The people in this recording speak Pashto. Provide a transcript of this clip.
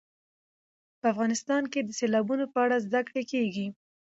په افغانستان کې د سیلابونو په اړه زده کړه کېږي.